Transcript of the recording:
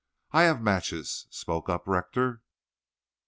"I have matches," spoke up Rector.